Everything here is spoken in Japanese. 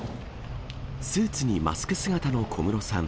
スーツにマスク姿の小室さん。